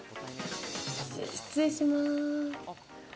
失礼します。